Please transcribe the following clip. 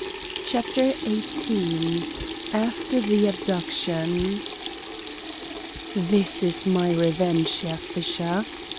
CHAPTER XVIII AFTER THE ABDUCTION "This is my revenge, Herr Fischer."